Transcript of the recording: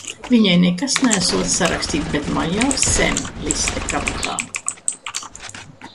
Viņai nekas neesot sarakstīts, bet man jau sen liste kabatā.